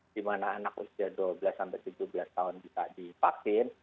di mana anak usia dua belas tujuh belas tahun bisa divaksin